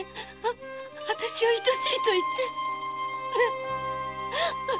あたしを愛しいと言って！